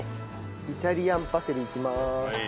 イタリアンパセリいきまーす。